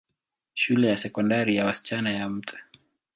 Shule ya Sekondari ya wasichana ya Mt.